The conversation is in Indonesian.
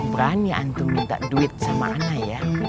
berani antum minta duit sama ana ya